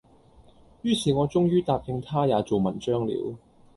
于是我終于答應他也做文章了，